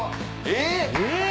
えっ！